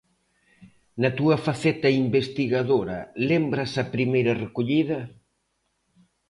Na túa faceta investigadora, lembras a primeira recollida?